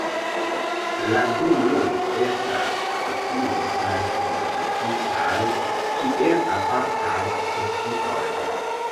La du nun estas kutime klasifikitaj kiel apartaj specioj.